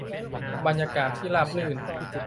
บรรยากาศที่ราบรื่น